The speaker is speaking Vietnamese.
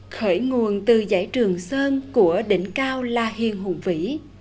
khởi nguồn từ giải trường sơn của đỉnh cao la hiền hùng vĩ